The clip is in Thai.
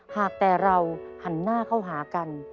หากแต่เราหันหน้าเข้าหากัน